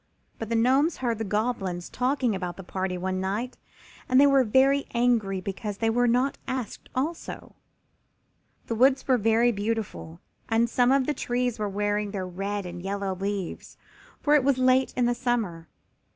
But the Gnomes heard the Goblins talking about the party one night and they were very angry because they were not asked also. The woods were very beautiful, and some of the trees were wearing their red and yellow leaves, for it was late in the summer.